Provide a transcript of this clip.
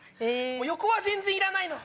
横は全然いらないの。